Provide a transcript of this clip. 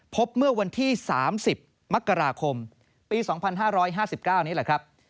พบเมื่อวันที่๓๐มกราคมปี๒๕๕๙นี้แหละครับ